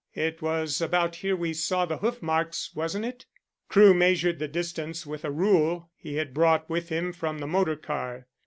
It was about here we saw the hoof marks, wasn't it?" Crewe measured the distance with a rule he had brought with him from the motor car.